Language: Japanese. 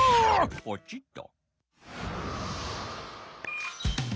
ポチっと。